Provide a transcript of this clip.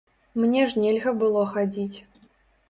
Мне ж нельга было хадзіць.